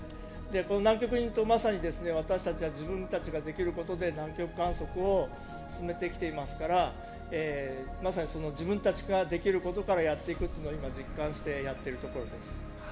南極にいると、まさに私たちは自分たちができることで南極観測を進めてきていますからまさにその自分たちができることからやっていくというのを今、実感してやっているところです。